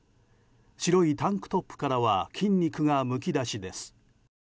白いタンクトップからは筋肉がむき出しです。